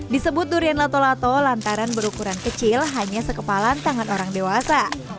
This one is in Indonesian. disebut durian lato lato lantaran berukuran kecil hanya sekepalan tangan orang dewasa